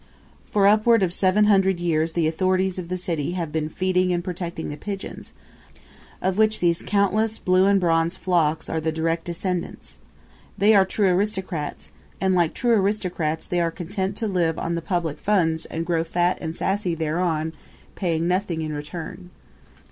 For upward of seven hundred years the authorities of the city have been feeding and protecting the pigeons, of which these countless blue and bronze flocks are the direct descendants. They are true aristocrats; and, like true aristocrats, they are content to live on the public funds and grow fat and sassy thereon, paying nothing in return.